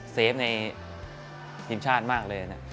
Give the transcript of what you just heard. เฟฟในทีมชาติมากเลยนะ